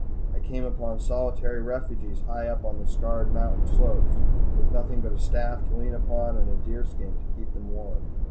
I came upon solitary refugees high up on the scarred mountain slopes, with nothing but a staff to lean upon and a deer skin to keep them warm.